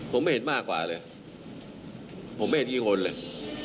ผมไม่เห็นมากกว่าเลยผมไม่เห็นกี่คนเลย